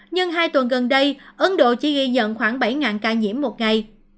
nhưng hai tuần gần đây ấn độ chỉ ghi nhận khoảng bảy ca nhiễm một ngày